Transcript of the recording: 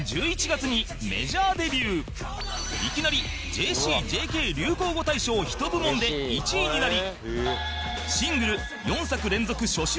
いきなり ＪＣ ・ ＪＫ 流行語大賞ヒト部門で１位になり